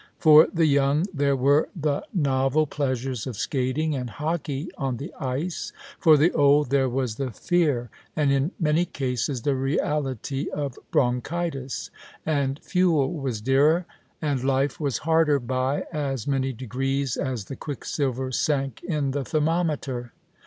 For the yoimg there were the novel pleasures of skating and hockey on the ice ; for the old there was the fear, and in many cases the reality, of bronchitis ; and fuel was dearer, and life was harder by as many degrees as the quicksilver sank in the thermometer.